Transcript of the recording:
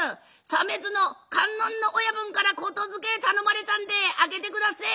鮫洲の観音の親分から言づけ頼まれたんで開けてくだせえ！」。